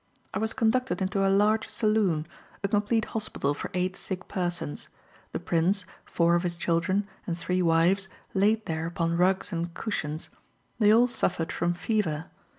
I was conducted into a large saloon, a complete hospital for eight sick persons: the prince, four of his children, and three wives, laid there upon rugs and cushions. They all suffered from fever.